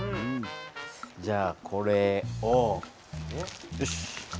じゃあこれをよし。